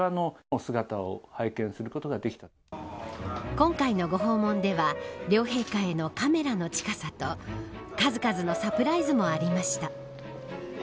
今回のご訪問では両陛下へのカメラの近さと数々のサプライズもありました。